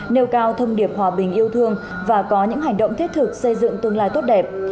nêu cao thông điệp hòa bình yêu thương và có những hành động thiết thực xây dựng tương lai tốt đẹp